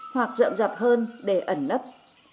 hoặc rộng rập hơn để ẩn nấp